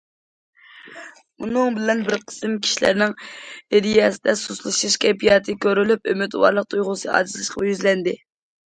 بۇنىڭ بىلەن بىر قىسىم كىشىلەرنىڭ ئىدىيەسىدە سۇسلىشىش كەيپىياتى كۆرۈلۈپ، ئۈمىدۋارلىق تۇيغۇسى ئاجىزلىشىشقا يۈزلەندى.